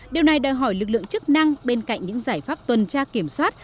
điều này đòi hỏi lực lượng chức năng bên cạnh những giải pháp tuần tra kiểm soát